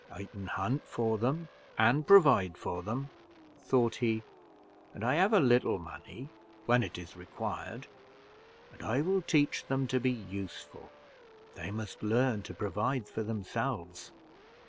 "I can hunt for them, and provide for them," thought he, "and I have a little money, when it is required; and I will teach them to be useful; they must learn to provide for themselves.